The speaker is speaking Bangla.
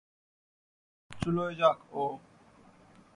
চুলোয় যাক ও!